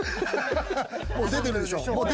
もう出てるでしょ。